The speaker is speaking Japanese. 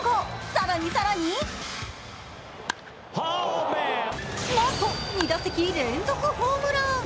更に更になんと２打席連続ホームラン。